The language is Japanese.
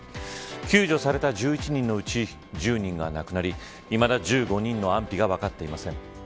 救助された１１人のうち１０人が亡くなり、いまだ１５人の安否が分かっていません。